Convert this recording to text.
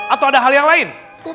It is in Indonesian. atau ada hal yang lain